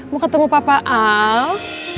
mau ketemu papa al